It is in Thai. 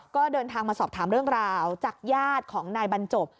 ก็เดินทางมาสอบถามเรื่องราวจากญาติของนายบรรจบ